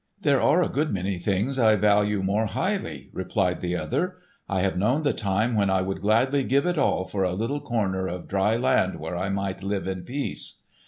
"There are a good many things I value more highly," replied the other. "I have known the time when I would gladly give it all for a little corner of dry land where I might live in peace."